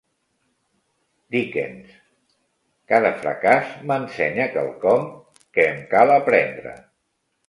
Dickens: cada fracàs m'ensenya quelcom que em cal aprendre.